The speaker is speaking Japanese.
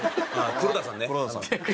黒田さん。